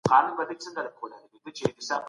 ملتونه به په ټولنه کي عدالت تامین کړي.